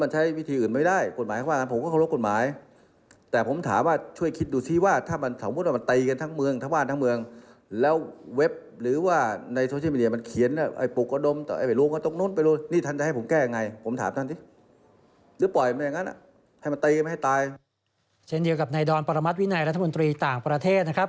เช่นเดียวกับนายดอนปรมัติวินัยรัฐมนตรีต่างประเทศนะครับ